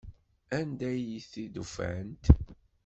Anda ay t-id-ufant?